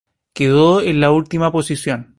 Quedó en última posición.